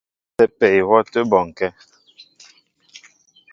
Sááŋ ndáp mɔ́ a sɛ́pɛ ihwɔ́ a tə́ bɔnkɛ́.